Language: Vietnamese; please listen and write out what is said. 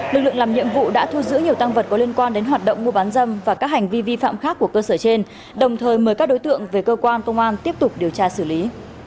lực lượng làm nhiệm vụ đã thu giữ nhiều tăng vật có liên quan đến hoạt động mua bán dâm và các hành vi vi phạm khác của cơ sở trên đồng thời mời các đối tượng về cơ quan công an tiếp tục điều tra xử lý